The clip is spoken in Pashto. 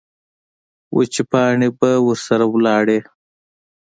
وچې پاڼې به ورسره لاړې.